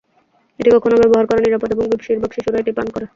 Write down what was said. এটি এখনও ব্যবহার করা নিরাপদ এবং বেশিরভাগ শিশুরা এটি পান করে।